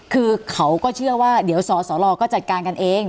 คือเขาก็เชื่อว่าเดี๋ยวสสลก็จัดการกันเอง